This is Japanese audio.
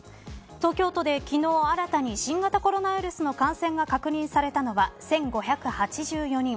東京で昨日新たに新型コロナウイルスの感染が確認されたのは１５８４人。